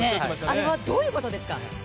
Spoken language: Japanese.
あれはどういうことですか。